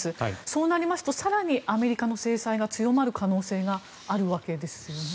そうなりますと更に、アメリカの制裁が強まる可能性があるわけですよね？